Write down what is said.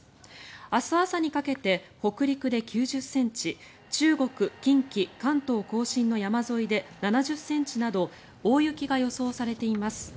明日朝にかけて北陸で９０ｃｍ中国、近畿関東・甲信の山沿いで７０ｃｍなど大雪が予想されています。